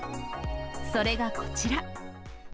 それがこちら。